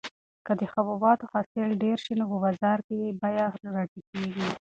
که د حبوباتو حاصل ډېر شي نو په بازار کې یې بیه راټیټیږي.